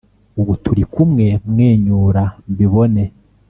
Ubu turikumwe mwenyura mbibone